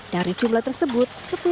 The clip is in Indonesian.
dari jumlah tersebut